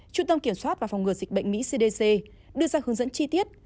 trung tâm kiểm soát và phòng ngừa dịch bệnh mỹ cdc đưa ra hướng dẫn chi tiết